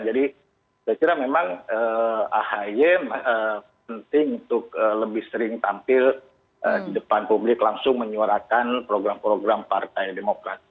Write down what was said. jadi saya kira memang ahy penting untuk lebih sering tampil di depan publik langsung menyuarakan program program partai demokrat